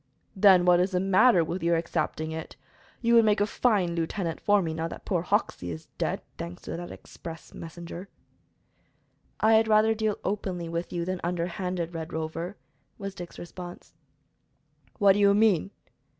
"Then what is the matter with your accepting it? You would make a fine lieutenant for me, now that poor Hoxey is dead thanks to that express messenger." "I had rather deal openly with you then underhanded, Red Rover," was Dick's response. "What do you mean?"